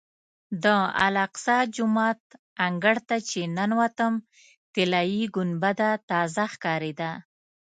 د الاقصی جومات انګړ ته چې ننوتم طلایي ګنبده تازه ښکارېده.